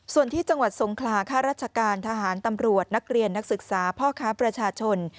ส่วนที่จังหวัดทรงคลาข้าราชการทหารตำรวจนักเรียนนักศึกษาพ่อค้าประชาชน